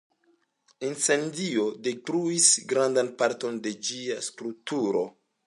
Incendio detruis grandan parton de ĝia strukturo.